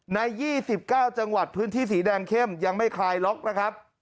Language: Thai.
ใน๒๙จังหวัดพื้นที่สีแดงเข้มยังไม่คลายล็อกนะครับ